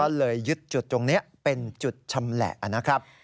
ก็เลยยึดจุดตรงนี้เป็นจุดชำแหละนะครับ